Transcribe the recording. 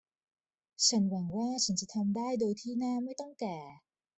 ฉันหวังว่าฉันจะทำได้โดยที่หน้าไม่ต้องแก่